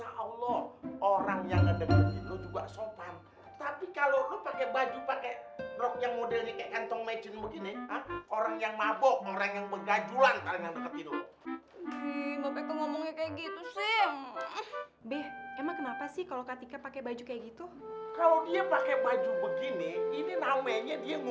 hai amin amin amin amin amin yer até letzten orang kayak gitu ii tapi kanta akhir akhir juga tuh